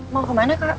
mau kemana kak